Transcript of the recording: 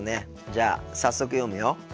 じゃあ早速読むよ。